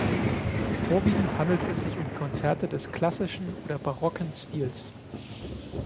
Vorwiegend handelt es sich um Konzerte des klassischen oder barocken Stils.